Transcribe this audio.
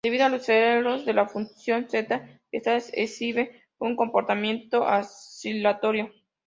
Debido a los ceros de la función Z, esta exhibe un comportamiento oscilatorio.